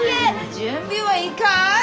準備はいいかい？